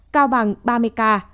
cao bằng ba mươi ca